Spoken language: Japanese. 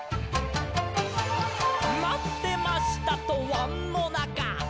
「まってました！とわんのなか」